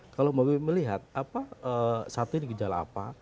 kalau mbak wiwi melihat satu ini gejala apa